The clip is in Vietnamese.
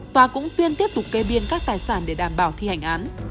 tòa cũng tuyên tiếp tục kê biên các tài sản để đảm bảo thi hành án